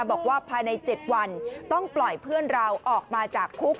บอกว่าภายใน๗วันต้องปล่อยเพื่อนเราออกมาจากคุก